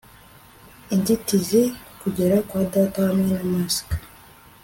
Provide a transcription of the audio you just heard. inzitizi kugera kwa data hamwe na mask